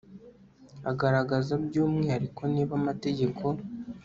agaragaza by umwihariko niba amategeko